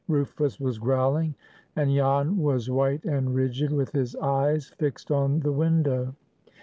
Rufus was growling, and Jan was white and rigid, with his eyes fixed on the window.